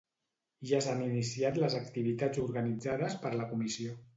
Ja s'han iniciat les activitats organitzades per la comissió.